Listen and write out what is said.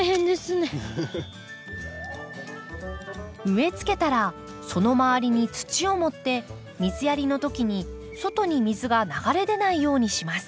植えつけたらその周りに土を盛って水やりの時に外に水が流れ出ないようにします。